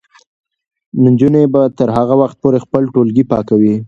نجونې به تر هغه وخته پورې خپل ټولګي پاکوي.